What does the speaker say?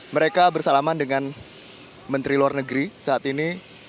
mereka bersalaman dengan menteri luar negeri saat ini